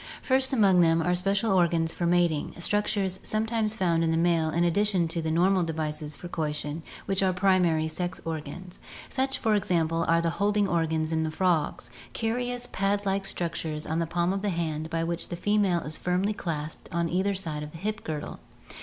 First among them are special organs for mating, structures some times found in the male in addition to the normal devices for coition, which are primary sex organs. Such, for example, are the holding organs in the frogs, curious pad like structures on the palm of the hand, by which the female is firmly clasped on either side of the hip girdle.